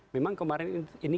memang kemarin ini